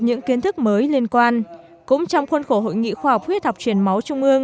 những kiến thức mới liên quan cũng trong khuôn khổ hội nghị khoa học huyết học truyền máu trung ương